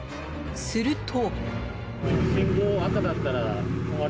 すると。